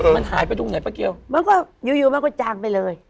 มันหายไปตรงไหนป้าเกียวมันก็อยู่มันก็จางไปเลย